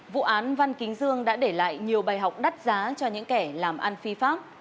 vụ án văn kính dương đã để lại nhiều bài học đắt giá cho những kẻ làm ăn phi pháp